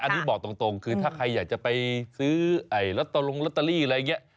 อันนี้บอกตรงคือถ้าใครอยากจะไปซื้อลัตตาลีอะไรอย่างนี้